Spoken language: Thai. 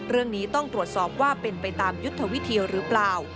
เรื่องนี้ต้องตรวจสอบว่าเป็นไปตามยุทธวิธีหรือเปล่า